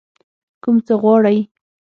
کوم څه غواړئ؟